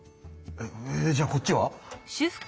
えじゃあこっちは？